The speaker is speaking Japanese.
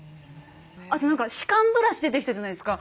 あと何か歯間ブラシ出てきたじゃないですか。